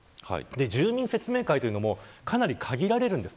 住民説明会というのもかなり限られるんです。